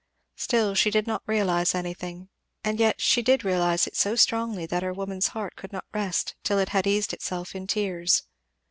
Still she did not realize anything, and yet she did realize it so strongly that her woman's heart could not rest till it bad eased itself in tears.